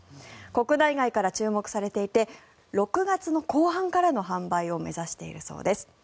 国内外から注目されていて６月後半からの販売を目指しているそうです。